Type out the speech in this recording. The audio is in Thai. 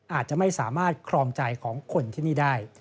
อาจจะไม่สามารถครองใจของคนที่นี่ได้